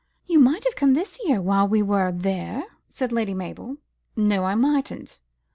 "You might have come this year while we were there," said Lady Mabel. "No, I mightn't.